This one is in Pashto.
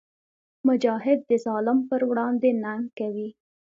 مجاهد د ظالم پر وړاندې ننګ کوي.